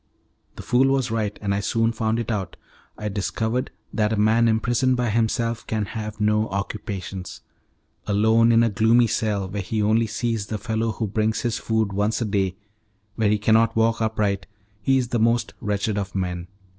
The fool was right, and I soon found it out. I discovered that a man imprisoned by himself can have no occupations. Alone in a gloomy cell where he only sees the fellow who brings his food once a day, where he cannot walk upright, he is the most wretched of men.